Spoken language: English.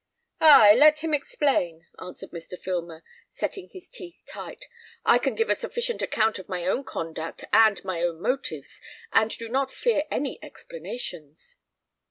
"Ay, let him explain," answered Mr. Filmer, setting his teeth tight; "I can give a sufficient account of my own conduct and my own motives, and do not fear any explanations."